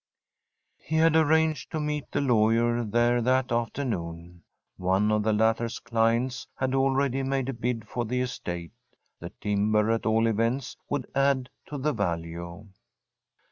He had arranged to meet the lawyer there that afternoon. One of the latter's clients had already made a bid for the estate. The timber, at all events, would add to the value.